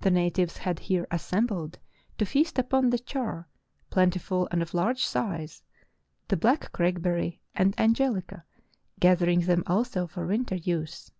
The natives had here assembled to feast upon the char, plentiful and of large size, the black crakeberry, and angelica, gathering them also for winter use.